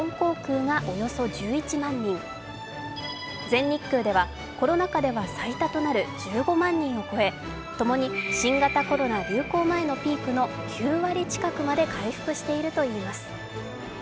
全日空ではコロナ禍では最多となる１５万人を超えともに新型コロナ流行前のピークの９割近くまで回復しているといいます。